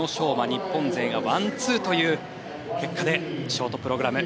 日本勢がワンツーという結果でショートプログラム